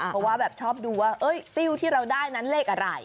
เพราะว่าแบบชอบดูว่าติ้วที่เราได้นั้นเลขอะไร